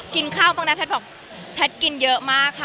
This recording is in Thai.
กินข้าวบ้างนะแพทย์บอกแพทย์กินเยอะมากค่ะ